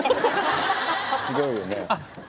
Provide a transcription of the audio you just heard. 違うよね？